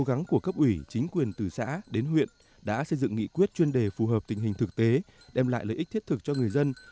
cố gắng của cấp ủy chính quyền từ xã đến huyện đã xây dựng nghị quyết chuyên đề phù hợp tình hình thực tế đem lại lợi ích thiết thực cho người dân